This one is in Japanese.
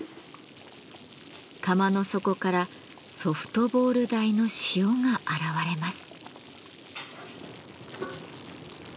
釜の底からソフトボール大の塩が現れます。